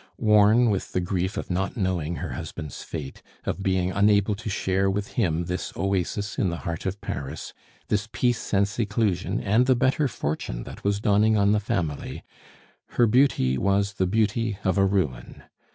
Worn with the grief of not knowing her husband's fate, of being unable to share with him this oasis in the heart of Paris, this peace and seclusion and the better fortune that was dawning on the family, her beauty was the beauty of a ruin.